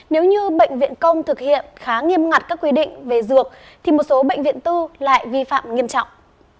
nếu như bệnh viện công thực hiện khá nghiêm ngặt các quy định về dược thì một số bệnh viện tư lại vi phạm nghiêm trọng